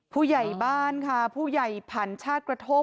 ผู้ใหญ่บ้านค่ะผู้ใหญ่ผันชาติกระโทก